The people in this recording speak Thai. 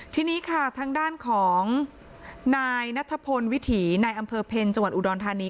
ทีนี้ค่ะทางด้านของนายนัทพลวิถีนายอำเภอเพ็ญจังหวัดอุดรธานี